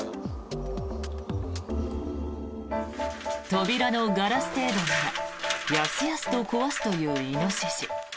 扉のガラス程度ならやすやすと壊すというイノシシ。